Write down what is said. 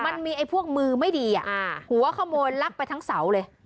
มันมีไอ้พวกมือไม่ดีหัวขโมยลักไปทั้งเสาเลย